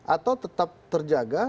atau tetap terjaga